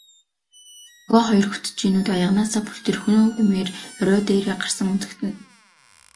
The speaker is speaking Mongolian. Нөгөө хоёр хөтчийн нүд аяганаасаа бүлтрэх нь үү гэмээр орой дээрээ гарсан үзэгдэнэ.